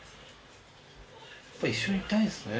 やっぱ一緒にいたいんですね。